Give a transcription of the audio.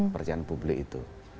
percayaan publik itu